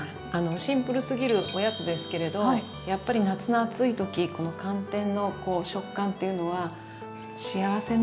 シンプルすぎるおやつですけれどやっぱり夏の暑い時この寒天の食感っていうのは幸せなんですよね。